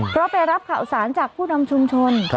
เพราะไปรับข่าวสารจากผู้นำชุมชน